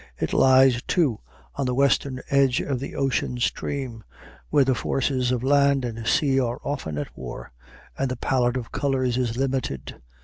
It lies, too, on the western edge of the ocean stream, where the forces of land and sea are often at war and the palette of colors is limited.